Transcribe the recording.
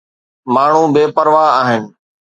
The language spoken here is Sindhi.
ماڻهو بي پرواهه آهن.